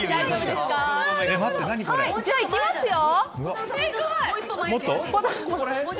じゃあいきますよ！